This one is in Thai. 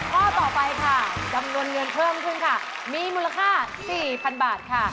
ข้อต่อไปค่ะจำนวนเงินเพิ่มขึ้นค่ะมีมูลค่า๔๐๐๐บาทค่ะ